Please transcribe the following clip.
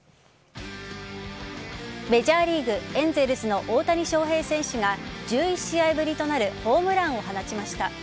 メジャーリーグ・エンゼルスの大谷翔平選手が１１試合ぶりとなるホームランを放ちました。